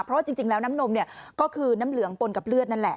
เพราะว่าจริงแล้วน้ำนมเนี่ยก็คือน้ำเหลืองปนกับเลือดนั่นแหละ